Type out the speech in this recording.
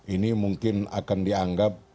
ini mungkin akan dianggap